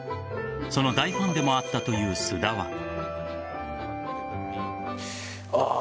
その大ファンでもあったという菅田は。